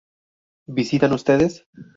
¿Visitan ustedes?